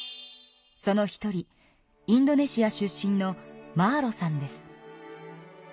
その一人インドネシア出身のマーロさんです。